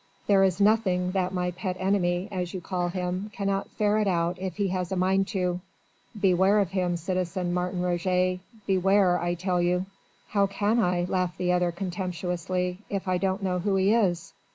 "There is nothing that my pet enemy as you call him cannot ferret out if he has a mind to. Beware of him, citizen Martin Roget. Beware, I tell you." "How can I," laughed the other contemptuously, "if I don't know who he is?"